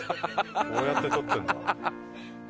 こうやって撮ってるんだ。